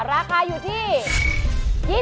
ราคาอยู่ที่๒๙บาท